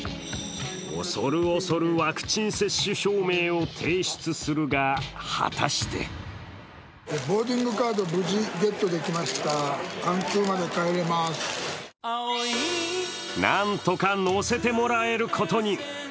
恐る恐るワクチン接種証明を提出するが果たしてなんとか乗せてもらえることに。